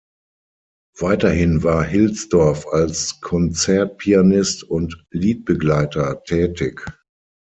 Weiterhin war Hilsdorf als Konzertpianist und Liedbegleiter tätig.